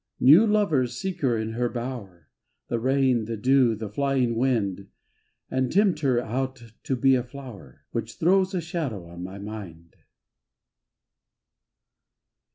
New lovers seek her in her bower, The rain, the dew, the flying wind, And tempt her out to be a flower. Which throws a shadow on my mind.